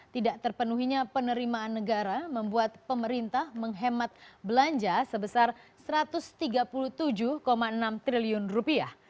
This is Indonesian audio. tidak terpenuhinya penerimaan negara membuat pemerintah menghemat belanja sebesar satu ratus tiga puluh tujuh enam triliun rupiah